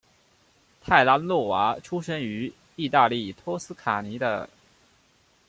泰拉诺娃出生于义大利托斯卡尼的。